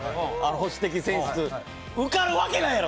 保守的選出、受かるわけないやろ！